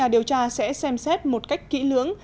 điều tra sẽ xem xét một cách kỹ lưỡng